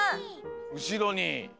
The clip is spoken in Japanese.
うしろに。